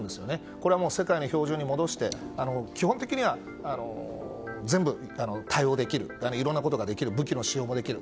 これを世界の標準に戻して基本的には全部、対応できるいろんなことができる武器の使用もできる。